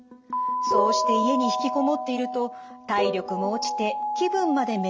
そうして家に引きこもっていると体力も落ちて気分まで滅入ってしまう。